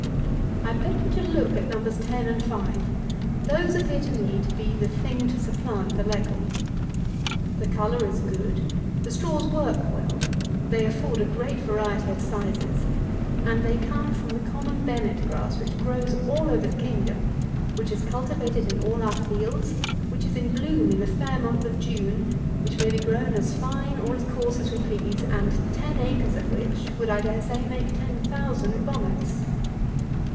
I beg you to look at Nos. 10 and 5. Those appear to me to be the thing to supplant the Leghorn. The colour is good, the straws work well, they afford a great variety of sizes, and they come from the common Bennet grass, which grows all over the kingdom, which is cultivated in all our fields, which is in bloom in the fair month of June, which may be grown as fine or as coarse as we please, and ten acres of which would, I dare say, make ten thousand bonnets.